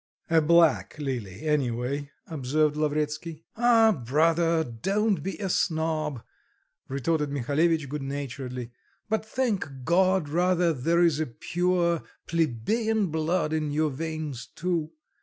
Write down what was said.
"A black lily, any way," observed Lavretsky. "Ah, brother, don't be a snob!" retorted Mihalevitch, good naturedly, "but thank God rather there is a pure plebeian blood in your veins too.